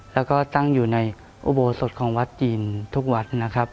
และก็ตั้งอยู่ในอุโบสถของวัดจีนทุกวัด